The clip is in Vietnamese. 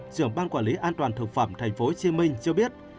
trưởng ban quản lý an toàn thực phẩm tp hcm cho biết